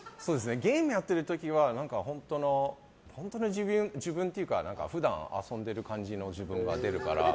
ゲームやってる時は本当の自分というか普段遊んでいる感じの自分が出るから。